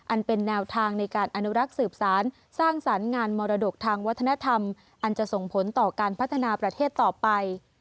อันเป็นแนวทางในการอนุรักษ์สืบสารสร้างสรรค์งานมรดกทางวัฒนธรรมอันจะส่งผลต่อการพัฒนาประเทศต่อไป